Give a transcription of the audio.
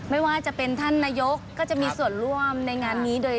ไม่ว่าจะเป็นท่านนโยกเกิดทีก็จะมีส่วนร่วมในงานนี้